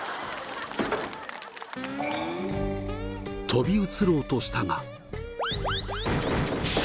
飛び移ろうとしたが。